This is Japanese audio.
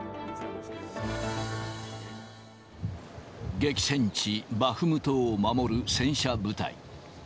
激戦地、バフムトを守る戦車部隊。